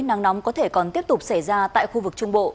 nắng nóng có thể còn tiếp tục xảy ra tại khu vực trung bộ